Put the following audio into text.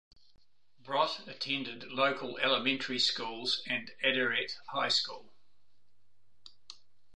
Brot attended local elementary schools and Aderet high school.